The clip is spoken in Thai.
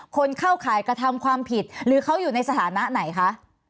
คนเข้าข่ายกระทำความผิดหรือเขาอยู่ในสถานะไหนคะ